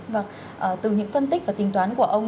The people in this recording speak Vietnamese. vâng từ những phân tích và tính toán của ông